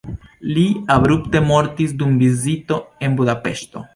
Li abrupte mortis dum vizito en Budapeŝto.